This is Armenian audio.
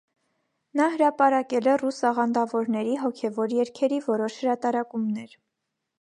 Նա հրապարակել է ռուս աղանդավորների հոգևոր երգերի որոշ հրատարակումներ։